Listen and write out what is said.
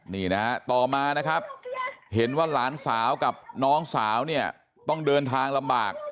นี่นะฮะต่อมานะครับเห็นว่าหลานสาวกับน้องสาวเนี่ยต้องเดินทางลำบาก